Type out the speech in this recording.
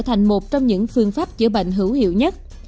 thành một trong những phương pháp chữa bệnh hữu hiệu nhất